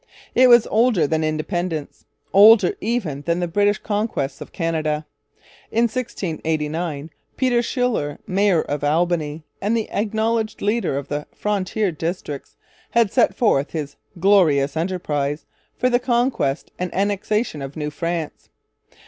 It was older than Independence, older even than the British conquest of Canada. In 1689 Peter Schuyler, mayor of Albany, and the acknowledged leader of the frontier districts, had set forth his 'Glorious Enterprize' for the conquest and annexation of New France.